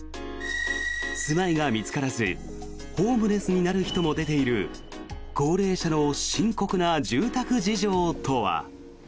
住まいが見つからずホームレスになる人も出ている高齢者の深刻な住宅事情とは。